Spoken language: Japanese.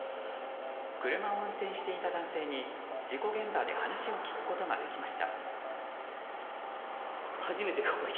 車を運転していた男性に事故現場で話を聞くことができました。